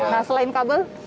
nah selain kabel